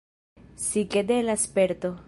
Psikedela sperto!